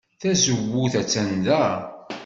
Tazewwut attan da.